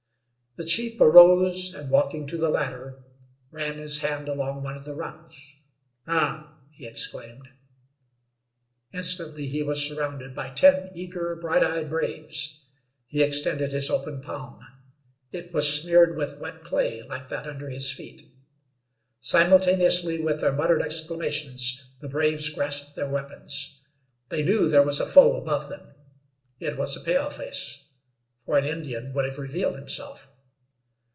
The chief arose and, walking to the ladder, ran his hand along one of the rungs. "Ugh!" he exclaimed. Instantly he was surrounded by ten eager, bright eyed braves. He extended his open palm; it was smeared with wet clay like that under his feet. Simultaneously with their muttered exclamations the braves grasped their weapons. They knew there was a foe above them. It was a paleface, for an Indian would have revealed himself.